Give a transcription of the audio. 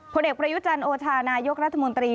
ผลเด็กประยุจรรย์โอชานายกรรธมนตรี